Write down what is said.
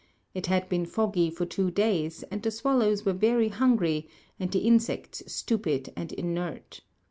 It had been foggy for two days, and the swallows were very hungry and the insects stupid and inert.